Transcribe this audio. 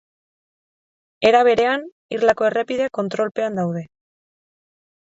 Era berean, irlako errepideak kontrolpean daude.